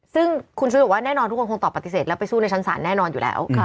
ซึ่งคุณชุวิตบอกว่าแน่นอนทุกคนคงตอบปฏิเสธแล้วไปสู้ในชั้นศาลแน่นอนอยู่แล้ว